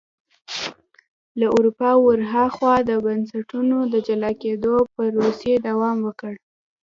له اروپا ور هاخوا د بنسټونو د جلا کېدو پروسې دوام ورکړ.